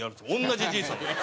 同じじいさんが。